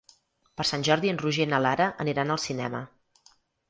Per Sant Jordi en Roger i na Lara aniran al cinema.